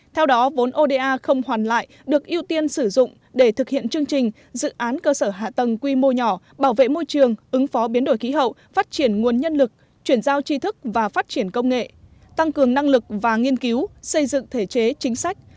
theo đó vốn oda không hoàn lại được ưu tiên sử dụng để thực hiện chương trình dự án cơ sở hạ tầng quy mô nhỏ bảo vệ môi trường ứng phó biến đổi khí hậu phát triển nguồn nhân lực chuyển giao tri thức và phát triển công nghệ tăng cường năng lực và nghiên cứu xây dựng thể chế chính sách